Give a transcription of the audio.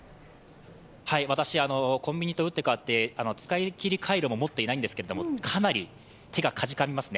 私、コンビニと打って変わって、使い切りカイロも持っていないんですけれども、かなり手がかじかみますね。